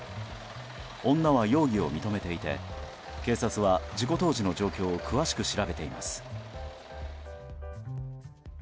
女は容疑を認めていて警察は事故当時の状況を詳しく調べています。